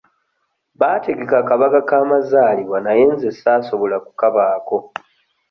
Baategeka akabaga k'amazaalibwa naye nze saasobola kukabaako.